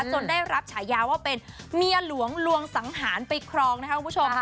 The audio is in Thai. ได้รับฉายาว่าเป็นเมียหลวงลวงสังหารไปครองนะคะคุณผู้ชม